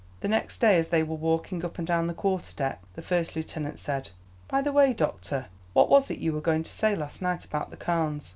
The next day, as they were walking up and down the quarter deck, the first lieutenant said: "By the way, doctor, what was it you were going to say last night about the Carnes?